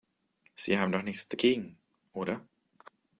Sie haben doch nichts dagegen, oder?